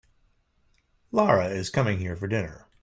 Lara is coming here for dinner.